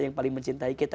yang paling mencintai kita